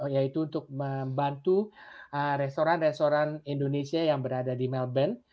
yaitu untuk membantu restoran restoran indonesia yang berada di melbourne